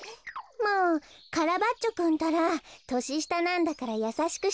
もうカラバッチョくんったら。とししたなんだからやさしくしてあげなきゃ。